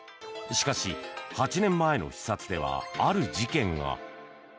しかし、８年前の視察ではある事件が。